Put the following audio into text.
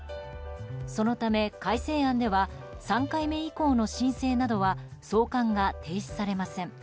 そのため改正案では３回目以降の申請などは送還が停止されません。